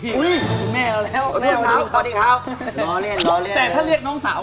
อุ้ยคุณแม่เอาแล้วขอดีครับล้อเลี่ยนล้อเลี่ยนแต่ถ้าเรียกน้องสาว